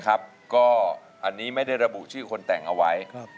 อันนี้ไม่ได้ระบุชื่อคนแต่งเอาไว้